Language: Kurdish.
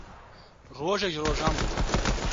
Rojek ji rojan bû